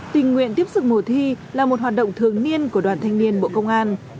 tình nguyện tiếp sức mùa thi là một hoạt động thường niên của đoàn thanh niên bộ công an